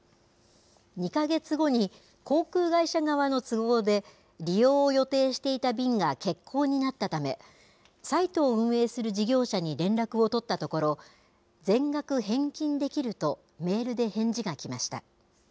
２か月後に航空会社側の都合で利用を予定していた便が欠航になったため、サイトを運営する事業者に連絡を取ったところ、全額返金できるとメールで返事がきました。